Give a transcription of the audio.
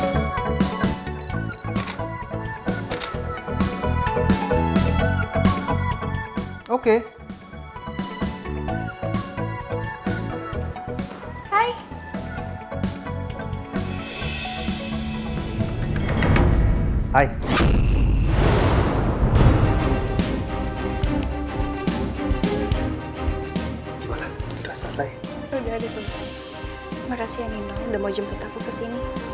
makasih ya nino udah mau jemput aku kesini